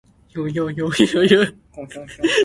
人驚出名，豬驚肥